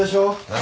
何？